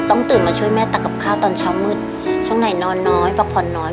ต้องตื่นมาช่วยแม่ตักกับข้าวตอนเช้ามืดช่วงในนอนน้อยปลอดภัณฑ์น้อย